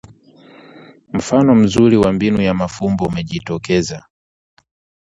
Mfano mzuri wa mbinu ya mafumbo umejitokeza